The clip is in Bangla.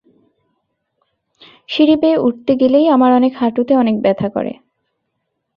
সিঁড়ি বেয়ে উঠতে গেলেই আমার অনেক হাঁটুতে অনেক ব্যথা করে।